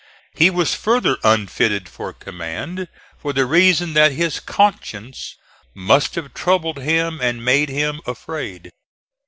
He was further unfitted for command, for the reason that his conscience must have troubled him and made him afraid.